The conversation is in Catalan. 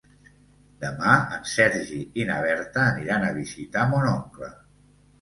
Demà en Sergi i na Berta aniran a visitar mon oncle.